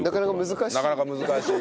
なかなか難しい。